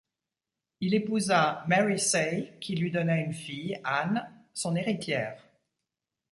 Il épousa Mary Say, qui lui donna une fille, Anne, son héritière.